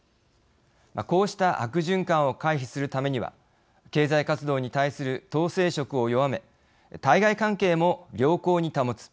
こうした悪循環を回避するためには経済活動に対する統制色を弱め対外関係も良好に保つ。